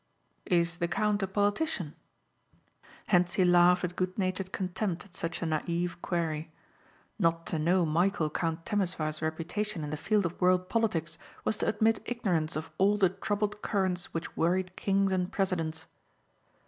"Is the count a politician?" Hentzi laughed with good natured contempt at such a naïve query. Not to know Michæl, Count Temesvar's reputation in the field of world politics was to admit ignorance of all the troubled currents which worried kings and presidents.